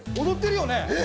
踊ってるよね。